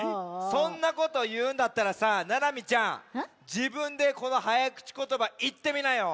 そんなこというんだったらさななみちゃんじぶんでこのはやくちことばいってみなよ！